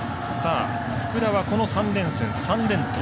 福田は、この３連戦３連投。